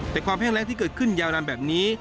แต่ความแห้งแรงที่เกิดขึ้นยาวนานแบบนี้